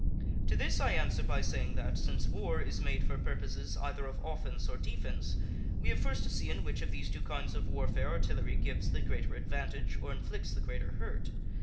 To this I answer by saying that, since war is made for purposes either of offence or defence, we have first to see in which of these two kinds of warfare artillery gives the greater advantage or inflicts the greater hurt.